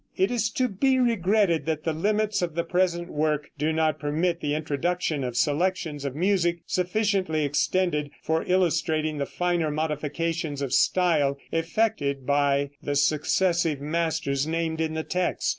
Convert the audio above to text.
It is to be regretted that the limits of the present work do not permit the introduction of selections of music sufficiently extended for illustrating the finer modifications of style effected by the successive masters named in the text.